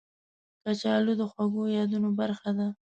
کچالو د خوږو یادونو برخه ده